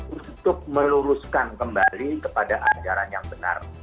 untuk meluruskan kembali kepada ajaran yang benar